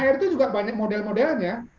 akhirnya itu juga banyak model modelnya